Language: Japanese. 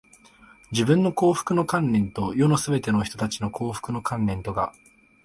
自分の幸福の観念と、世のすべての人たちの幸福の観念とが、